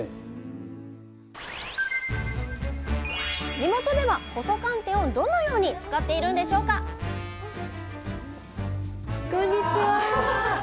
地元では細寒天をどのように使っているんでしょうかこんにちは。